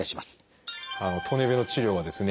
糖尿病の治療はですね